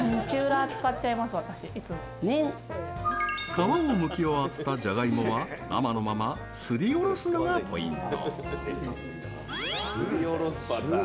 皮をむき終わったじゃがいもは、生のまますりおろすのがポイント。